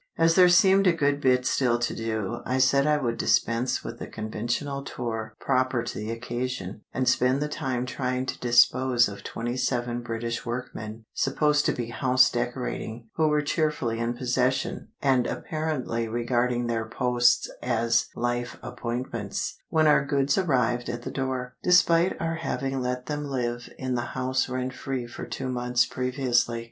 As there seemed a good bit still to do, I said I would dispense with the conventional "tour," proper to the occasion, and spend the time trying to dispose of the twenty seven British workmen, supposed to be house decorating, who were cheerfully in possession (and apparently regarding their posts as life appointments) when our goods arrived at the door, despite our having let them live in the house rent free for two months previously.